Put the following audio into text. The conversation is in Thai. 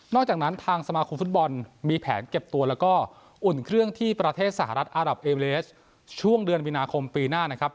จากนั้นทางสมาคมฟุตบอลมีแผนเก็บตัวแล้วก็อุ่นเครื่องที่ประเทศสหรัฐอารับเอเลสช่วงเดือนมีนาคมปีหน้านะครับ